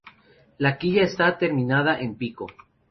La quilla está terminada en pico.